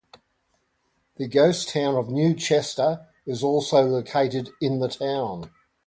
The ghost town of New Chester is also located in the town.